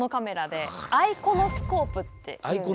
アイコノスコープっていうの？